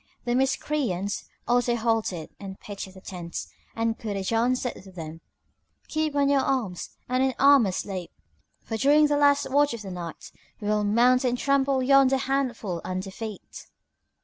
The Miscreants also halted and pitched their tents, and Kurajan said to them "Keep on your arms, and in armour sleep, for during the last watch of the night we will mount and trample yonder handful under feet!"